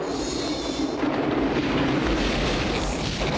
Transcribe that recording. よし！